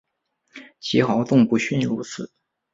其豪纵不逊如此。